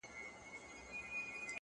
لاسو كې توري دي لاسو كي يې غمى نه دی~